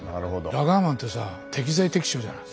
ラガーマンってさ適材適所じゃない？